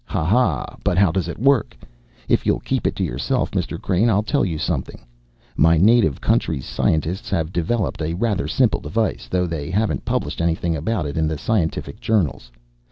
Ha! Ha! But how does it work? If you'll keep it to yourself, Mr. Crane, I'll tell you something: My native country's scientists have developed a rather simple device, though they haven't published anything about it in the scientific journals.